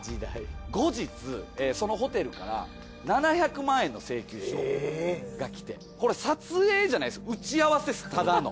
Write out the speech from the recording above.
後日そのホテルから７００万円の請求書がきてこれ撮影じゃないです打ち合わせですただの。